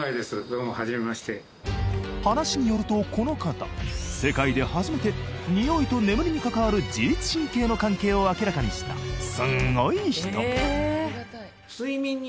どうも初めまして話によるとこの方世界で初めて匂いと眠りに関わる自律神経の関係を明らかにしたすごい人！